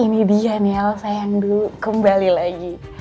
ini dia niel sayang dulu kembali lagi